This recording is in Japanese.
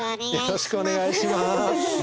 よろしくお願いします。